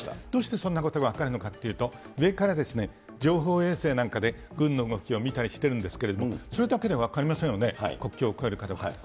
どうしてそんなことが分かるのかというと、上から情報衛星なんかで軍の動きを見たりしているんですけれども、それだけでは分かりませんよね、国境を越えるかどうか。